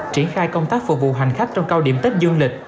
triển khai công tác phục vụ hành khách trong cao điểm tết dương lịch